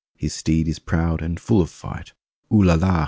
His steed is proud and full of fight. ''Oo la la!"